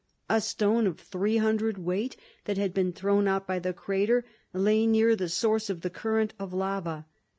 A stone of three hundred weight that had been thrown out by the crater, lay near the source of the current of lava.